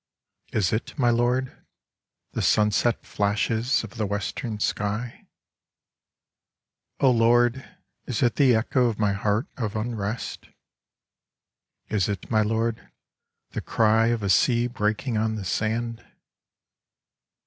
Is it, my Lord, the sunset flashes of the Western sky ? Oh Lord, is it the echo of my heart of unrest ? Is it, my Lord, the cry of a sea breaking on the sand